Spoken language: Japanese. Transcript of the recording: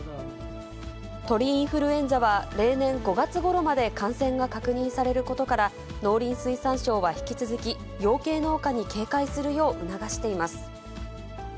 鳥インフルエンザは例年５月ごろまで感染が確認されることから、農林水産省は引き続き、養鶏農家に警戒するよう促しています。